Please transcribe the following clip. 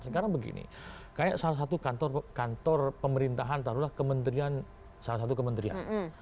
sekarang begini kayak salah satu kantor pemerintahan taruhlah kementerian salah satu kementerian